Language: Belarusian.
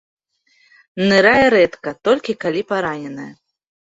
Нырае рэдка, толькі калі параненая.